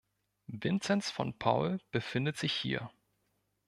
Vinzenz von Paul befindet sich hier.